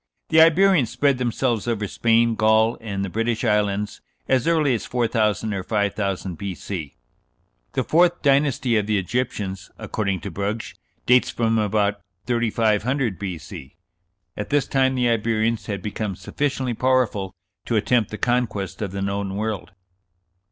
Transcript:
The Iberians spread themselves over Spain, Gaul, and the British Islands as early as 4000 or 5000 B.C.... The fourth dynasty (of the Egyptians), according to Brugsch, dates from about 3500 B.C. At this time the Iberians had become sufficiently powerful to attempt the conquest of the known world."